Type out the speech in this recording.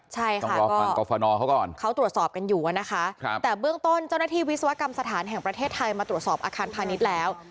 ใช่ค่ะก็ตรวจสอบกันอยู่นะคะแต่เบื้องต้นเจ้าหน้าที่วิศวกรรมสถานแห่งประเทศไทยมาตรวจสอบอาคารพาณิชย์แล้ว